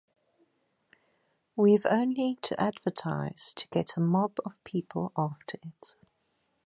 We've only to advertise, to get a mob of people after it.